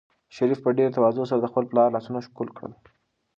شریف په ډېرې تواضع سره د خپل پلار لاسونه ښکل کړل.